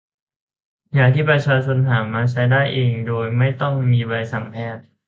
ยาที่ประชาชนหามาใช้ได้เองโดยไม่ต้องมีใบสั่งแพทย์